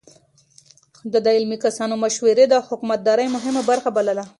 ده د علمي کسانو مشورې د حکومتدارۍ مهمه برخه بلله.